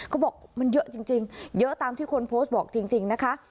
เขาบอกมันเยอะจริงเยอะตามที่คนโพสต์บอกจริงนะคะ